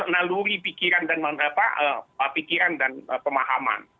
naluri pikiran dan pemahaman